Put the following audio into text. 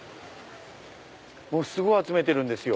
すごい集めてるんですよ。